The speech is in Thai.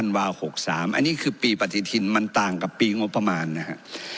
อันนี้คือปีปฏิทินมันต่างกับปีงบประมาณนะฮะ